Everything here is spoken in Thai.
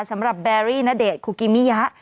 สำหรับเบรรี่ณเดชน์คูกิมิยะ